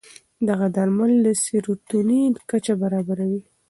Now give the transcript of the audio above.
دغه درمل د سیروتونین کچه برابروي.